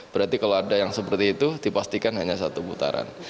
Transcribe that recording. berarti kalau ada yang seperti itu dipastikan hanya satu putaran